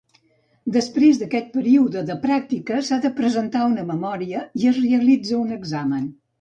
Després d'aquest període de pràctiques s'ha de presentar una memòria i es realitza un examen.